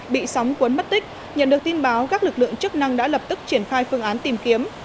bị sóng cuốn mất tích nhận được tin báo các lực lượng chức năng đã lập tức triển khai phương án tìm kiếm